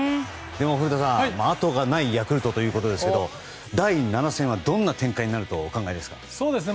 でも古田さん、後がないヤクルトということですが第７戦はどんな展開になるとお考えですか？